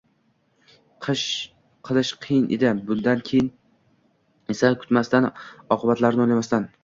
qilish qiyin edi. Bundan keyin esa kutmasdan, oqibatlarini o‘ylamasdan